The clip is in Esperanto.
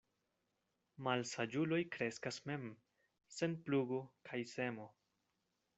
Malsaĝuloj kreskas mem, sen plugo kaj semo.